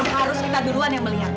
harus kita duluan yang melihat